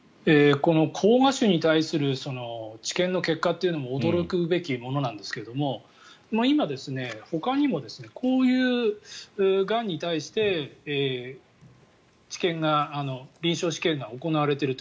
この膠芽腫に対する治験の結果というのも驚くべきものなんですけども今、ほかにもこういうがんに対して臨床試験が行われていると。